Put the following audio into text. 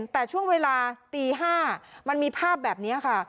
แต่ช่วงเวลาตี๕มันมีภาพแบบนี้ค่ะ